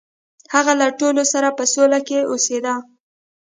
هغه له ټولو سره په سوله کې اوسیده.